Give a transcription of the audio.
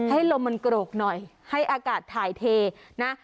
ให้ลมมันโกรกหน่อยให้อากาศถ่ายเทนะ